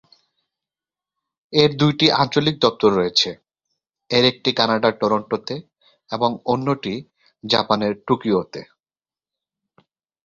এর দুইটি আঞ্চলিক দপ্তর রয়েছে, এর একটি কানাডার টরন্টোতে এবং অন্যটি জাপানের টোকিওতে।